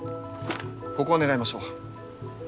ここを狙いましょう。